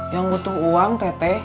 yang butuh uang tete